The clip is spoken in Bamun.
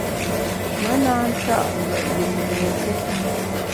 Me na nta’ ngùet yùm mbokét.